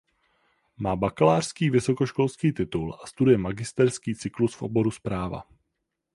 Má bakalářský vysokoškolský titul a studuje magisterský cyklus v oboru správa.